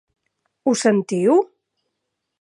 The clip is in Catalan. Ho sentiu?